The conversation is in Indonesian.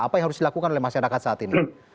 apa yang harus dilakukan oleh masyarakat saat ini